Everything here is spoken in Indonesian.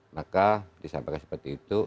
maka disampaikan seperti itu